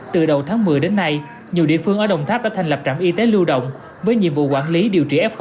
từ đầu tháng một mươi đến nay nhiều địa phương ở đồng tháp đã thành lập trạm y tế lưu động với nhiệm vụ quản lý điều trị f một